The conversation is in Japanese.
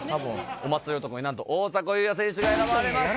お祭り男になんと大迫勇也選手が選ばれました！